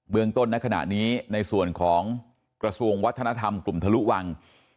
เมืองต้นในขณะนี้ในส่วนของกระทรวงวัฒนธรรมกลุ่มทะลุวัง